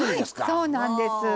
そうなんです。